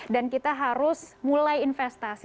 dan kita harus mulai investasi